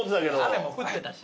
雨も降ってたし。